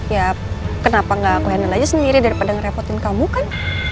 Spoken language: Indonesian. ya kenapa gak aku handle aja sendiri daripada ngerepotin kamu kan